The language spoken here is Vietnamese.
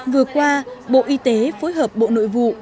vừa qua bộ y tế phối hợp bộ nội vụ